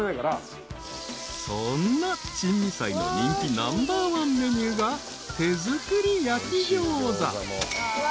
［そんな珍味斉の人気ナンバーワンメニューが手作り焼きギョーザ］